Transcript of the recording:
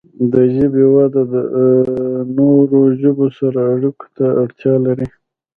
د ژبې وده د نورو ژبو سره اړیکو ته اړتیا لري.